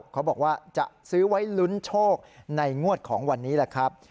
เขาบอกว่าจะซื้อไว้ลุ้นโชคในงวดของวันนี้แหละครับ